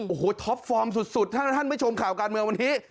โอ้โหท็อปฟอร์มสุดถ้าท่านไม่ชมข่าวการเมืองวันนี้